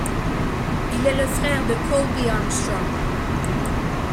Il est le frère de Colby Armstrong.